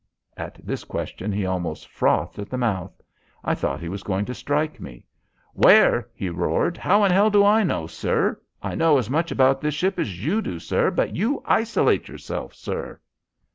At this question he almost frothed at the mouth. I thought he was going to strike me. "Where?" he roared. "How in hell do I know, sir? I know as much about this ship as you do, sir. But you isolate yourself, sir."